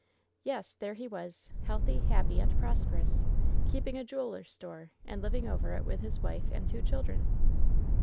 "Yes, there he was, healthy, happy and prosperous, keeping a jeweler's store, and living over it with his wife and two children